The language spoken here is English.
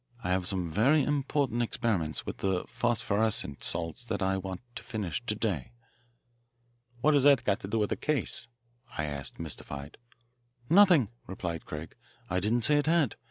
I have some very important experiments with phosphorescent salts that I want to finish to day." "What has that to do with the case?" I asked, mystified. "Nothing," replied Craig. "I didn't say it had.